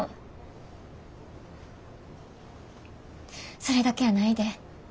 それだけやないで。